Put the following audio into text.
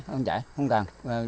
không chẻ không chẻ không tàn